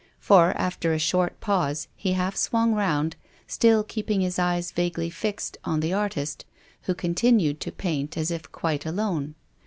For, after a short pause, he half swung round, still keeping his eyes vaguely fixed on the artist, who continued to paint as if quite alone.